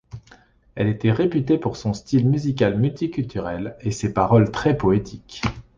Elle était réputée pour son style musical multiculturel et ses paroles très poétiques.